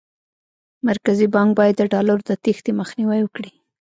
مرکزي بانک باید د ډالرو د تېښتې مخنیوی وکړي.